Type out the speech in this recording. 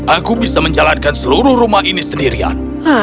aku bisa menjalankan seluruh rumah ini sendirian